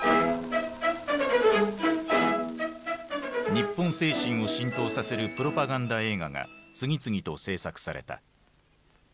日本精神を浸透させるプロパガンダ映画が次々と製作された。